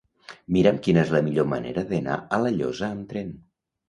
Mira'm quina és la millor manera d'anar a La Llosa amb tren.